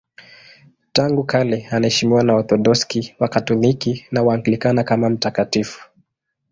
Tangu kale anaheshimiwa na Waorthodoksi, Wakatoliki na Waanglikana kama mtakatifu.